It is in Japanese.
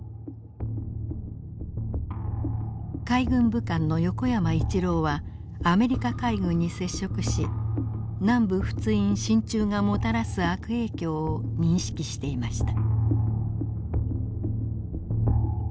海軍武官の横山一郎はアメリカ海軍に接触し南部仏印進駐がもたらす悪影響を認識していました。